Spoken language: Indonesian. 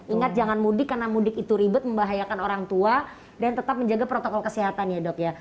ingat jangan mudik karena mudik itu ribet membahayakan orang tua dan tetap menjaga protokol kesehatan ya dok ya